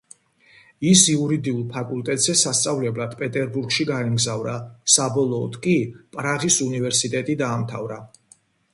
ის იურიდიულ ფაკულტეტზე სასწავლებლად პეტერბურგში გაემგზავრა, საბოლოოდ კი პრაღის უნივერსიტეტი დაამთავრა.